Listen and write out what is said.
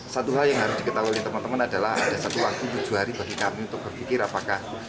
satu hal yang harus diketahui oleh teman teman adalah ada satu waktu tujuh hari bagi kami untuk berpikir apakah